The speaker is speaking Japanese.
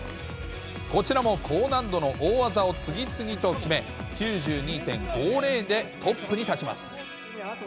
こちらも高難度の大技を次々と決め、９２．５０でトップに立ちます。